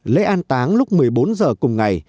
lễ an táng lúc một mươi bốn giờ cùng ngày